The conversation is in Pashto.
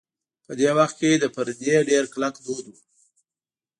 په دې وخت کې د پردې ډېر کلک دود و.